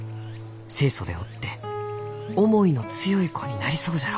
清楚でおって思いの強い子になりそうじゃろう？」。